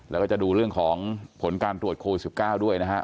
แล้วก็จะดูเรื่องของผลการตรวจโควิด๑๙ด้วยนะฮะ